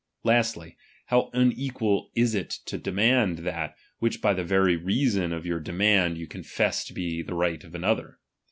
Lastly, bow unequal is chap.s it to demand that, which by the very reason of your '~ demand you confess to be the right of another.